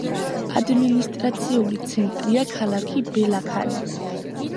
ადმინისტრაციული ცენტრია ქალაქი ბელაქანი.